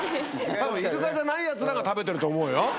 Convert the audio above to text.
たぶんイルカじゃないやつらが食べてると思うよ。